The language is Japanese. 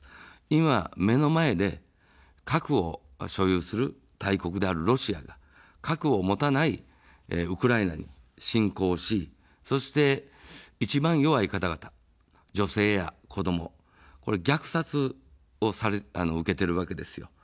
今、目の前で核を所有する大国であるロシアが核を持たないウクライナに侵攻をし、そして、一番弱い方々、女性や子ども、虐殺を受けているわけですよ。